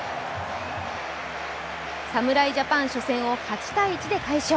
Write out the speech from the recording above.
侍ジャパン初戦を８−１で快勝。